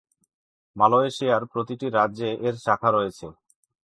মালয়েশিয়ার প্রতিটি রাজ্যে এর শাখা রয়েছে।